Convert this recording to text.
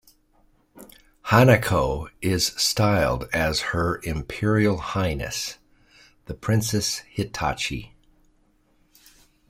Hanako is styled as "Her Imperial Highness" The Princess Hitachi.